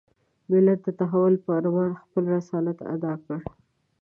ملت د تحول په ارمان خپل رسالت اداء کړ.